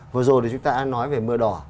vừa rồi thì chúng ta nói về mưa đỏ